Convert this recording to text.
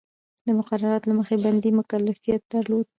د مقرراتو له مخې بندي مکلفیت درلود.